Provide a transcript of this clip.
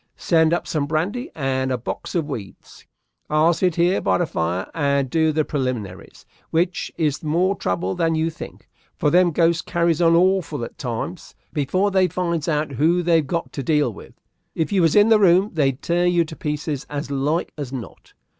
Send up some brandy and a box of weeds; I'll sit here by the fire and do the preliminaries, which is more trouble than you think; for them ghosts carries on hawful at times, before they finds out who they've got to deal with. If you was in the room they'd tear you to pieces as like as not.